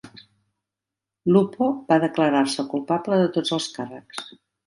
Lupo va declarar-se culpable de tots els càrrecs.